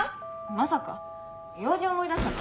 まさか用事思い出したから。